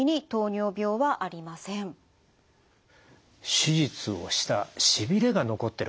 手術をしたしびれが残ってる。